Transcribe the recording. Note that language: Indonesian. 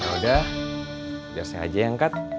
yaudah biar saya aja yang angkat